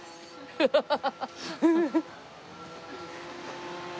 アハハハ。